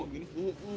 ringetan muka lo